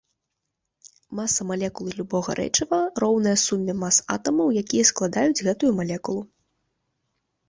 Маса малекулы любога рэчыва роўная суме мас атамаў, якія складаюць гэтую малекулу.